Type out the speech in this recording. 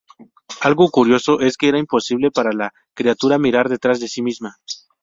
Algo curioso es que era imposible para la criatura mirar detrás de sí misma.